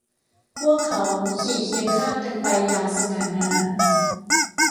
พวกเขาขี่เคียงข้างกันไปอย่างสง่างาม